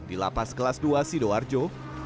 di lapas kelas dua sidoarjo